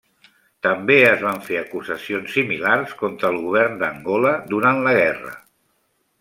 També es van fer acusacions similars contra el govern d'Angola durant la guerra.